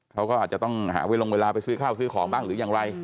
เขาก็อาจจะต้องหาเวลาลงเวลาไปซื้อข้าวซื้อของบ้างหรือยังไร